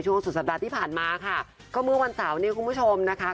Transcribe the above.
สุดสัปดาห์ที่ผ่านมาค่ะก็เมื่อวันเสาร์เนี่ยคุณผู้ชมนะคะ